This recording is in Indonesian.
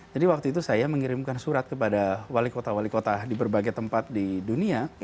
jadi waktu itu saya mengirimkan surat kepada wali kota wali kota di berbagai tempat di dunia